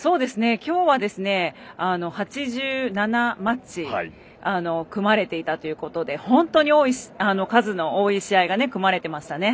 今日は８７マッチ組まれていたということで本当に数の多い試合が組まれていましたね。